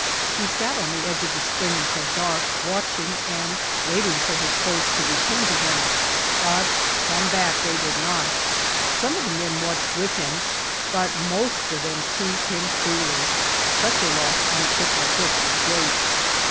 He sat on the edge of the spring until dark, watching and waiting for his clothes to return to him; but come back they did not. Some of the men watched with him, but most of them teased him cruelly. Such a loss on a trip like this was great.